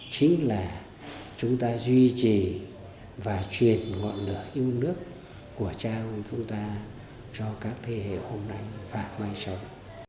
chính là chúng ta duy trì và truyền ngọn lửa yêu nước của cha ông chúng ta cho các thế hệ hôm nay và mai sau